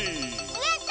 やった！